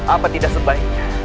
apa tidak sebaiknya